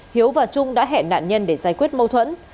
hiếu và trung đã hẹn nạn nhân để giải quyết mâu thuẫn